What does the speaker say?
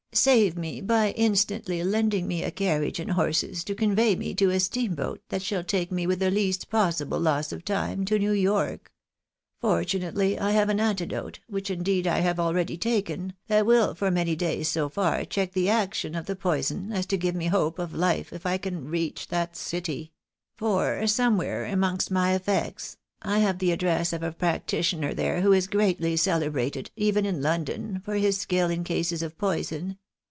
Save me by instantly lending me a carriage and horses to convey me to a steamboat that shall take me with the least possible loss of time to New York. Fortunately I have an antidote, which indeed I have already taken, that will for many days so far check the action of the poison as to give me hope of life if I can reach that city ; for somewhere amongst my effects, I have the address of a practitioner there who is greatly celebrated, even in London, for his skill in cases of poison.